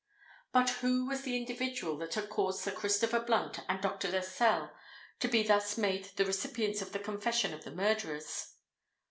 But who was the individual that had caused Sir Christopher Blunt and Dr. Lascelles to be thus made the recipients of the confession of the murderers?